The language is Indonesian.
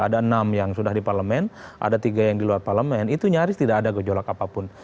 ada enam yang sudah di parlemen ada tiga yang di luar parlemen itu nyaris tidak ada gejolak apapun